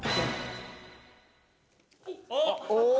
あっ。